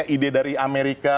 ide dari amerika